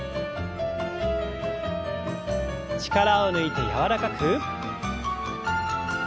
力を抜いて柔らかく。